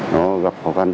nó gặp khó khăn